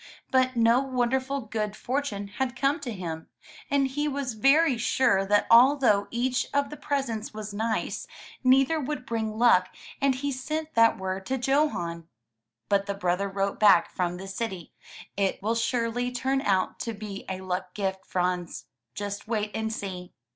But no wonderful good fortune had come to him, and he was very sure that although each of the presents was nice, neither would bring luck, and he sent that word to Johan. But the brother wrote back from the city, '*It will surely turn out to be a luck gift, Franz. Just wait and see."